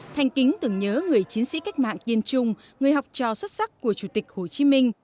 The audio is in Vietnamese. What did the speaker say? thành kính tưởng nhớ người chiến sĩ cách mạng kiên trung người học trò xuất sắc của chủ tịch hồ chí minh